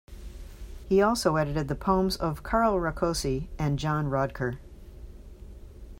He also edited the poems of Carl Rakosi and John Rodker.